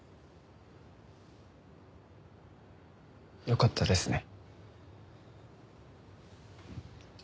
よかったですね。